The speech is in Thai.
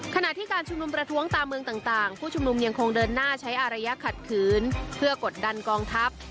ขณะที่การชุมนุมประท้วงตามเมืองต่างผู้ชุมนุมยังคงเดินหน้าใช้อารยะขัดขืนเพื่อกดดันกองทัพ